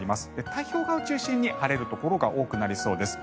太平洋側を中心に晴れるところが多くなりそうです。